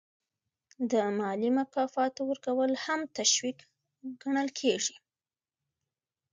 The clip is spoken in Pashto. د مالي مکافاتو ورکول هم تشویق ګڼل کیږي.